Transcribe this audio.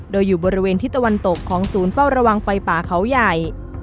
โดยอยู่บริเวณทิศตะวันตกของศูนย์เฝ้าระวังไฟป่าเขาใหญ่